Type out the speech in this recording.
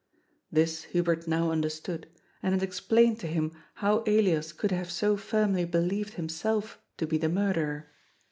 This Hubert now understood, and it explained to him how Elias could hare so firmly believed himself to be the murderer.